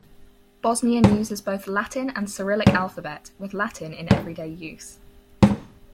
Bosnian uses both Latin and Cyrillic alphabet, with Latin in everyday use.